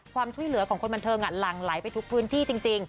ความช่วยเหลือของคนบันเทิงหลั่งไหลไปทุกพื้นที่จริง